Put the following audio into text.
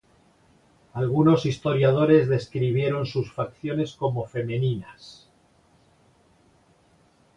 Algunos historiadores describieron sus facciones como femeninas.